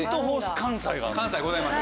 関西ございます。